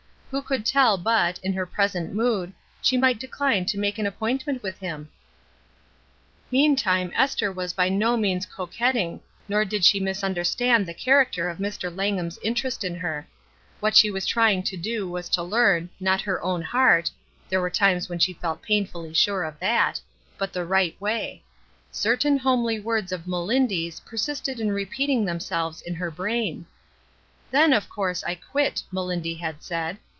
Who could tell but, in her present mood, she might decline to make an appointment with him ? Meantime Esther was by no means coquet ting, nor did she misunderstand the character of Mr. Langham's interest in her. What she was trying to do was to learn, not her own heart, — there were times when she felt painfully sure of that, — but the right way. Certain homely words of Melindy's persisted in repeat ing themselves in her brain. "Then, of course, I quit," Melindy had said.